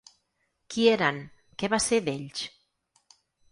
¿Qui eren, què va ser d’ells?